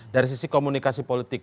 dari sisi komunikasi politik